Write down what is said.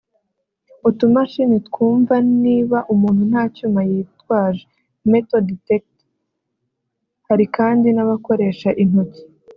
utumashini twumva niba umuntu nta cyuma yitwaje (metal detector) hari kandi n’abakoresha intoki